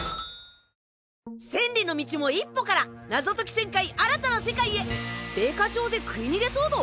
千里の道も一歩から謎解き１０００回新たな世界へ米花町で食い逃げ騒動！？